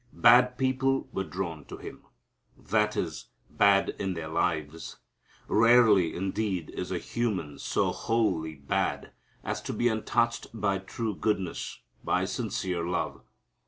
Bad people were drawn to Him. That is, bad in their lives. Rarely indeed is a human so wholly bad as to be untouched by true goodness, by sincere love.